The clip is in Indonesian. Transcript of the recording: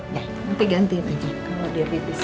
nanti gantiin aja kalau diabetes